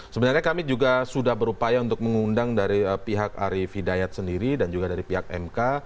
sebenarnya kami juga sudah berupaya untuk mengundang dari pihak arief hidayat sendiri dan juga dari pihak mk